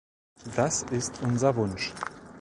Das ist unser Wunsch.